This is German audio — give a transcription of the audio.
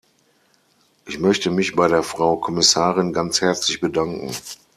Ich möchte mich bei der Frau Kommissarin ganz herzlich bedanken.